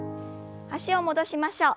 脚を戻しましょう。